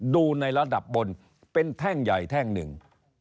ดูในระดับบนเป็นแท่งใหญ่แท่งหนึ่ง